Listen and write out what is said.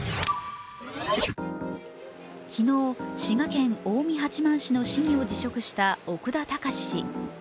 昨日、滋賀県近江八幡市の市議を辞職した奥田孝司氏。